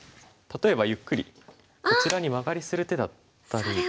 例えばゆっくりこちらにマガリする手だったり。